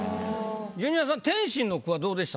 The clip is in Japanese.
ジュニアさん天心の句はどうでしたか？